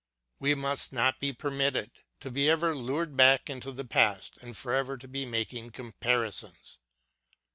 We must not be permitted to be ever lured back into the past and forever to be making comparisons.